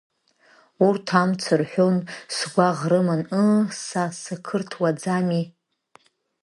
Урҭ амц рҳәон, сгәаӷ рыман, ыы, сара сақырҭуаӡами?!